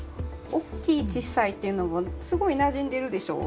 おっきいちっさいというのもすごいなじんでるでしょ？